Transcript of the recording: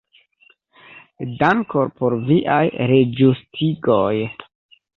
Dankon por viaj reĝustigoj.